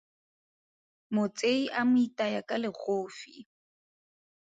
Motsei a mo itaya ka legofi.